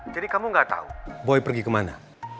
jadi kamu gak tau boy pergi kemana